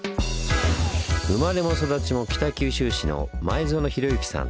生まれも育ちも北九州市の前薗廣幸さん。